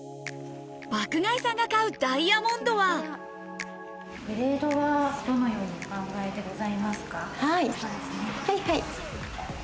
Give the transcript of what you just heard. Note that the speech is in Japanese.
爆買いさんが買うダイヤモンドはどのようにお考えでございますか？